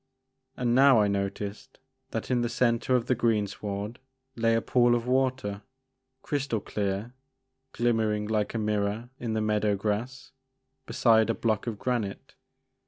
And now I noticed that in the centre of the greensward lay a pool of water, crystal clear, glimmering like a mirror in the meadow grass, beside a block of granite.